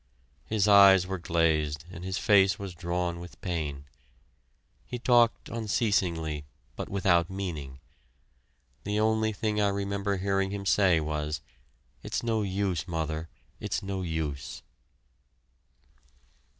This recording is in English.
His eyes were glazed and his face was drawn with pain. He talked unceasingly, but without meaning. The only thing I remember hearing him say was, "It's no use, mother it's no use!"